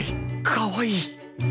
かわいい！